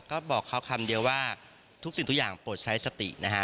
ก็บอกเขาคำเดียวว่าทุกสิ่งทุกอย่างโปรดใช้สตินะฮะ